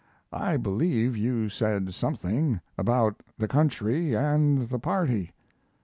I believe you said something about the country and the party.